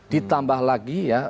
ditambah lagi ya